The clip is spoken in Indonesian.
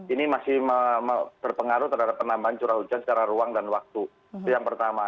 ini masih berpengaruh terhadap penambahan curah hujan secara ruang dan waktu itu yang pertama